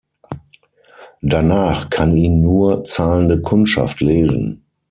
Danach kann ihn nur zahlende Kundschaft lesen.